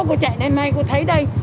cô chạy đây mấy cô thấy đây